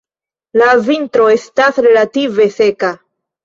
La vintro estas relative seka.